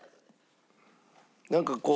なんかこう。